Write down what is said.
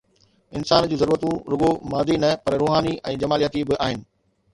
انسان جون ضرورتون رڳو مادي نه پر روحاني ۽ جمالياتي به آهن.